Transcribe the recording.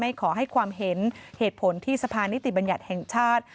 ขอให้ความเห็นเหตุผลที่สภานิติบัญญัติแห่งชาติ